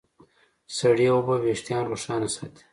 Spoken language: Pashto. سړې اوبه وېښتيان روښانه ساتي.